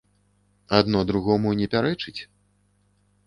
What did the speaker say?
Адно другому не пярэчыць?